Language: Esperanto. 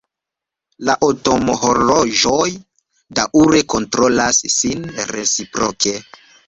La atomhorloĝoj daŭre kontrolas sin reciproke.